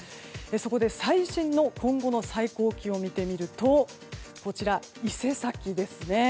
そこで最新の今後の最高気温を見てみると伊勢崎ですね。